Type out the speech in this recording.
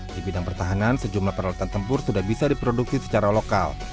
di bidang pertahanan sejumlah peralatan tempur sudah bisa diproduksi secara lokal